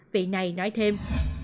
vị này nói thêm